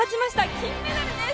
金メダルです！